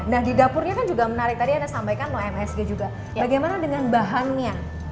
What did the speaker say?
nah di dapurnya kan juga menarik tadi anda sampaikan loh msg juga bagaimana dengan bahannya